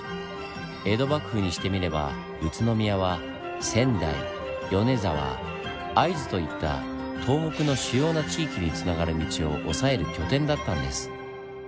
江戸幕府にしてみれば宇都宮は仙台米沢会津といった東北の主要な地域につながる道をおさえる拠点だったんです。